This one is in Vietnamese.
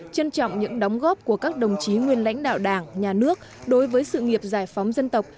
trân trọng những đóng góp của các đồng chí nguyên lãnh đạo đảng nhà nước đối với sự nghiệp giải phóng dân tộc